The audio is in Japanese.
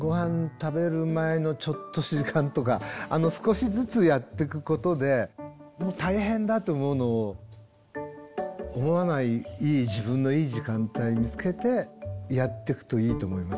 食べる前のちょっとした時間とか少しずつやってくことで大変だと思うのを思わない自分のいい時間帯見つけてやってくといいと思います。